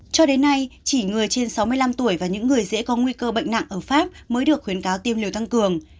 cho đến nay chỉ người trên sáu mươi năm tuổi và những người dễ có nguy cơ bệnh nặng ở pháp mới được khuyến cáo tiêm liều tăng cường